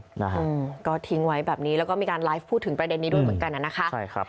ที่จะทิ้งไว้แบบนี้แล้วก็มีการไลฟ์พูดถึงประเด็นนี้ด้วยเหมือนกันนะคะ